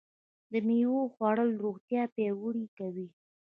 د مېوو خوړل روغتیا پیاوړې کوي.